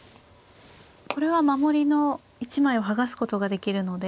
これは守りの一枚を剥がすことができるので。